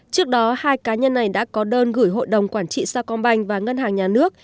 trước đó hai cá nhân này đã có đơn gửi hội đồng quản trị sao công banh và ngân hàng nhà nước